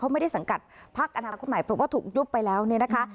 ไม่ได้สังกัดพักอนาคตใหม่เพราะว่าถูกยุบไปแล้วเนี่ยนะคะ